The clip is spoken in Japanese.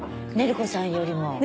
ねる子さんよりも。